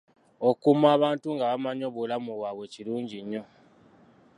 Okukuuma abantu nga bamanyi obulamu bwabwe kirungi nnyo.